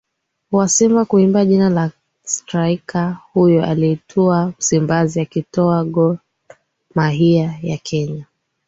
wa Simba kuimba jina la straika huyo aliyetua Msimbazi akitokea Gor Mahia ya Kenya